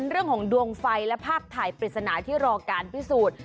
เรื่องของดวงไฟและภาพถ่ายปริศนาที่รอการพิสูจน์